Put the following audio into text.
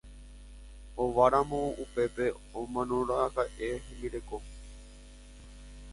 Ovaramóme upépe omanoraka'e hembireko.